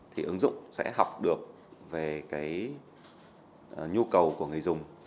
thì ứng dụng sẽ học được về cái nhu cầu của người dùng